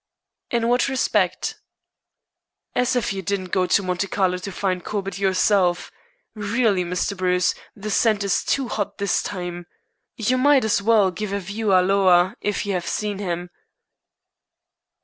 "In what respect?" "As if you didn't go to Monte Carlo to find Corbett yourself! Really, Mr. Bruce, the scent is too hot this time. You might as well give a 'View halloa' if you have seen him."